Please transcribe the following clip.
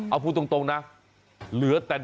เอาพูดตรงนะเหลือแต่